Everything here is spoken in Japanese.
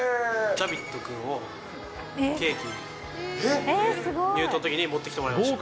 ジャビットくんがケーキ、入刀のときに持ってきてもらいました。